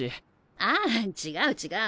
ああ違う違う。